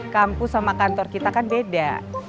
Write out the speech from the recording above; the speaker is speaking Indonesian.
kampus sama kantor kita kan beda